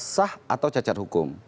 sah atau cacat hukum